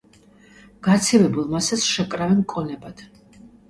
გაცივებულ მასას შეკრავენ კონებად.